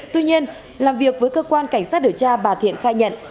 tuy nhiên làm việc với cơ quan cảnh sát điều tra bà thiện khai nhận